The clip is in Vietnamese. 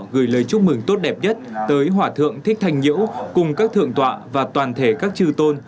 gửi lời chúc mừng tốt đẹp nhất tới hỏa thượng thích thành nhĩu cùng các thượng tọa và toàn thể các trư tôn